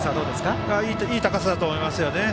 いい高さだと思いますよね。